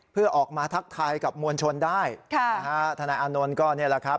เพื่อออกมาทักทายกับมวลชนได้ค่ะนะฮะทนายอานนท์ก็นี่แหละครับ